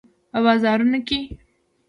په بازارونو کې